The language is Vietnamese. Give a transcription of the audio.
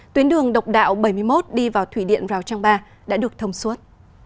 tuyến đường độc đạo bảy mươi một đi vào thủy điện rào trang ba đã được thông suốt